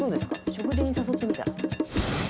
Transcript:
食事に誘ってみたら？